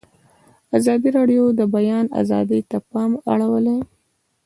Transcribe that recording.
ازادي راډیو د د بیان آزادي ته پام اړولی.